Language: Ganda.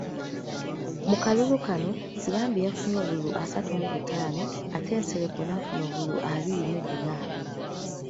Mu kalulu kano, Nsibambi yafunye obululu asatu mu butaano ate Nsereko n’afuna obululu abiri mu buna.